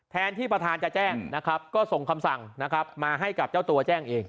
แทนที่ประธานจะแจ้งนะครับก็ส่งคำสั่งนะครับมาให้กับเจ้าตัวแจ้งเอง